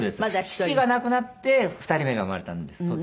父が亡くなって２人目が生まれたんです。